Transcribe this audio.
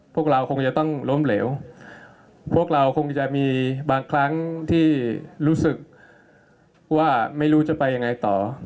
พวกเราคงจะต้องล้มเหลวพวกเราคงจะมีบางครั้งที่รู้สึกว่าไม่รู้จะไปยังไงต่อ